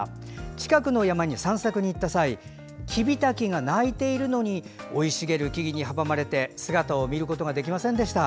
近くの山に散策に行った際キビタキが鳴いているのに生い茂る木々に阻まれて姿を見ることができませんでした。